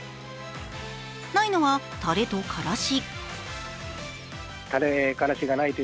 ないのは、たれとからし。